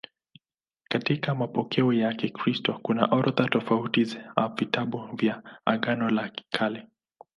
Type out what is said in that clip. Katika mapokeo ya Kikristo kuna orodha tofauti za vitabu vya Agano la Kale.